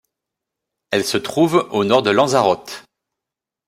Elle se trouve au nord de Lanzarote.